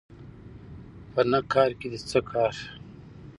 په نه کارکې دې څه کار